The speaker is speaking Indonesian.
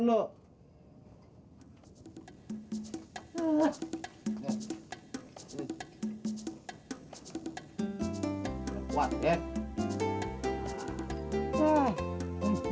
makan aja diurusin